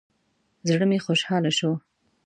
زړه مې خوشحاله شو.